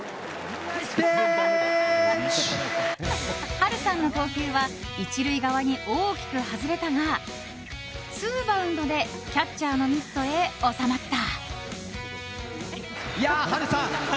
波瑠さんの投球は１塁側に大きく外れたがツーバウンドでキャッチャーのミットへ収まった。